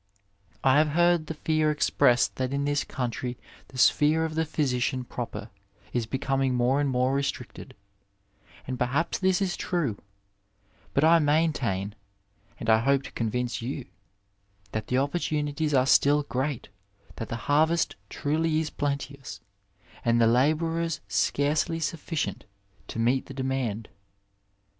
I have heard the fear expressed that in this country the sphere of the phjrsician proper is becoming more and more restricted, and perhaps this is true ; but I maintain (and I hope to convince you) that the oppor tunities are still great, that the harvest truly is plenteous, and the labourers scarcely sujfficient to meet the demand.